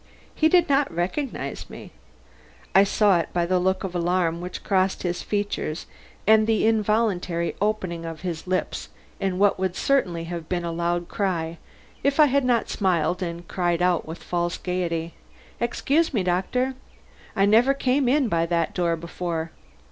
He did not recognize me. I saw it by the look of alarm which crossed his features and the involuntary opening of his lips in what would certainly have been a loud cry if I had not smiled and cried out with false gaiety: "Excuse me, doctor, I never came in by that door before.